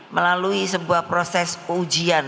melalui sebuah proses ujian